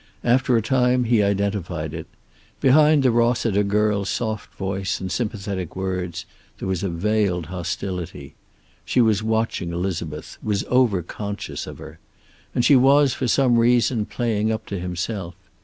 After a time he identified it. Behind the Rossiter girl's soft voice and sympathetic words, there was a veiled hostility. She was watching Elizabeth, was overconscious of her. And she was, for some reason, playing up to himself.